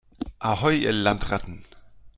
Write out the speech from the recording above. Ahoi, ihr Landratten